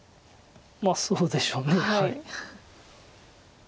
まあそうでしょうね。